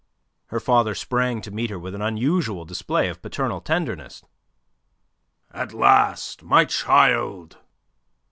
Her father sprang to meet her with an unusual display of paternal tenderness. "At last, my child!"